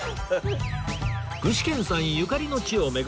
具志堅さんゆかりの地を巡る旅